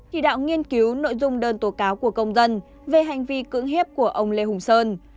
chỉ đạo nghiên cứu nội dung đơn tố cáo của công dân về hành vi cưỡng hiếp của ông lê hùng sơn